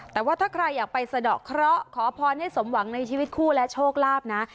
แต่ว่าถ้าใครอยากไปสะดอกเคราะห์ขอพรให้สมหวังในชีวิตคู่และโชคลาภนะ